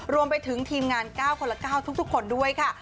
รวมไปถึงทีมงาน๙คนละ๙ทุกคนด้วยค่ะ